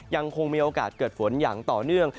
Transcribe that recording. ยังคงมีโอกาสเกิดฝนอย่างต่อเนื่อง